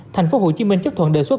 tp hcm chấp thuận đề xuất